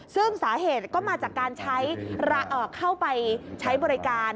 ซึ่งสาเหตุก็มาจากการใช้เข้าไปใช้บริการ